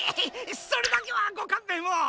それだけはごかんべんを！